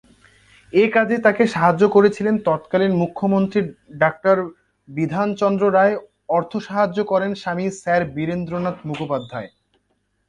এ কাজে তাঁকে সাহায্য করেছিলেন তৎকালীন মুখ্যমন্ত্রী ডা বিধানচন্দ্র রায়, অর্থসাহায্য করেন স্বামী স্যার বীরেন্দ্রনাথ মুখোপাধ্যায়।